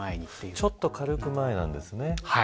ちょっと軽く前なんですね。